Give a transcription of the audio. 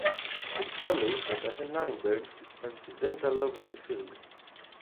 It follows that as a nimber, is transcendental over the field.